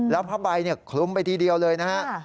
แล้วผ้าใบคลุมไปทีเดียวเลยนะฮะ